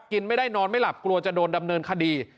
กินไม่ได้นอนไม่หลับกลัวจะโดนดำเนินคดี